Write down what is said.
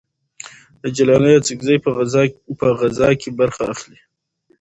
حاجي لالي اڅکزی په غزاکې برخه اخلي.